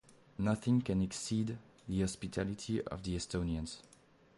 Nothing can exceed the hospitality of the Estonians.